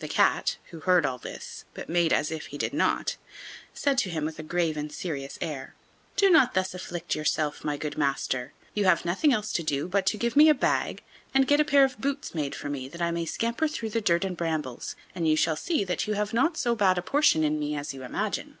The Cat, who heard all this, but made as if he did not, said to him with a grave and serious air: "Do not thus afflict yourself, my good master. You have nothing else to do but to give me a bag and get a pair of boots made for me that I may scamper through the dirt and the brambles, and you shall see that you have not so bad a portion in me as you imagine."